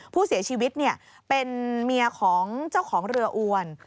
ผู้เสียชีวิตเป็นเมียของเจ้าของเรืออวน